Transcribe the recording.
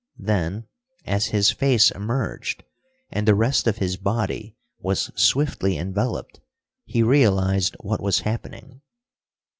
Then, as his face emerged, and the rest of his body was swiftly enveloped, he realized what was happening.